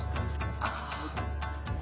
ああ。